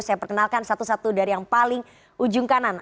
saya perkenalkan satu satu dari yang paling ujung kanan